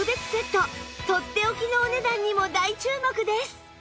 とっておきのお値段にも大注目です！